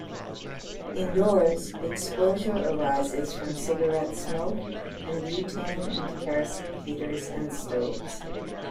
Indoors, exposure arises from cigarette smoke, and butane and kerosene heaters and stoves.